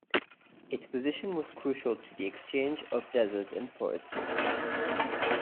Its position was crucial to the exchange of desert and forest goods.